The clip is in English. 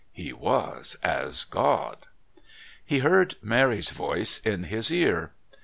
He was as God... He heard Mary's voice in his ear.